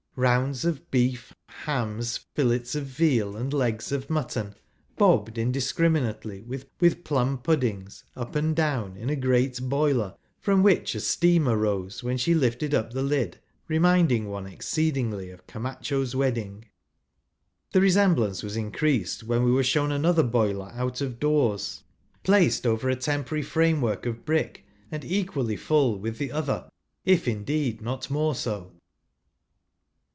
Rounds of beef, hams, fillets of veal, and legs of mutton j bobbed, indiscriminately with plum puddings, j I up and down in a great boUer, from which a j ' steam arose, when she lifted up the lid,' reraiud jj ing one exceedingly of Camacho's wedding. 1 : The resemblance was increased when we were shown another boiler out of doors, placed over a temporary frame work of brick, and equally full with the other, if, indeed, not more so.